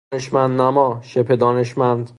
دانشمندنما، شبه دانشمند